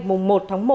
mùng một tháng một